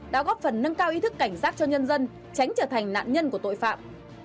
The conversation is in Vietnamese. đã góp phần nâng cao ý thức cảnh giác cho nhân dân tránh trở thành nạn nhân của tội phạm